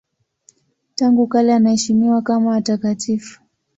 Tangu kale anaheshimiwa kama watakatifu.